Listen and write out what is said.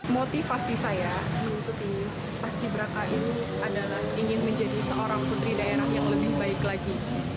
motivasi saya mengikuti paski beraka ini adalah ingin menjadi seorang putri daerah yang lebih baik lagi